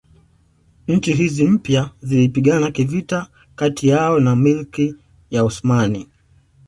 Nchi hizi mpya zilipigana kivita kati yao na Milki ya Osmani